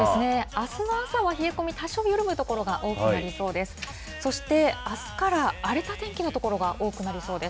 あすの朝は冷え込み、多少緩む所が多くなりそうです。